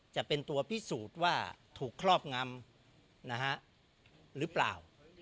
จะเป็นตัวพิสูจน์ว่าถูกครอบงำหรือเปล่า